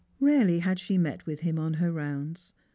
Earely had she met with him on her rounds.